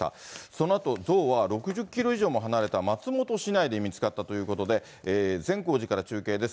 そのあと像は６０キロ以上も離れた松本市内で見つかったということで、善光寺から中継です。